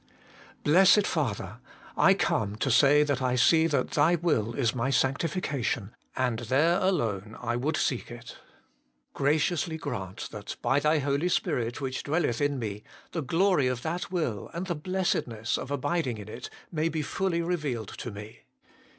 Blessed Father ! I come to say that I see that Thy will is my sanctification, and there alone I would seek it. Graciously grant that, by Thy Holy Spirit which dwelleth in me, the glory of that will, and the blessedness of abiding in it, may be fully revealed to me.